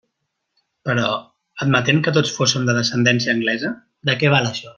Però, admetent que tots fóssem de descendència anglesa, ¿de què val, això?